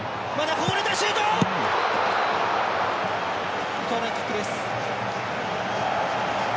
コーナーキックです。